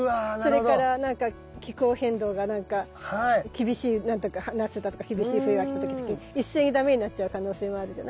それから気候変動が何か厳しい夏だとか厳しい冬が来た時に一斉にだめになっちゃう可能性もあるじゃない。